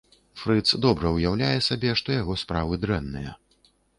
Фрыц добра ўяўляе сабе, што яго справы дрэнныя.